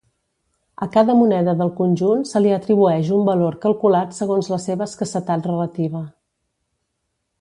A cada moneda del conjunt se li atribueix un valor calculat segons la seva escassetat relativa.